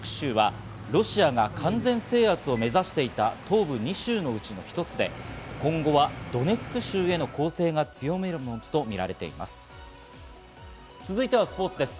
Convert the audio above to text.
このルハンシク州はロシアが完全制圧を目指していた東部２州のうちの一つで、今後はドネツク州への攻勢は強まるものとみられています。